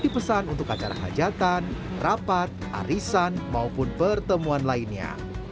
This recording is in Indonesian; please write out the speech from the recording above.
dipesan untuk acara hajatan rapat arisan maupun pertemuan lainnya